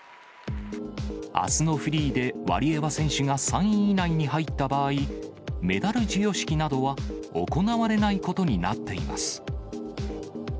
あすのフリーでワリエワ選手が３位以内に入った場合、メダル授与式などは行われないことになっています。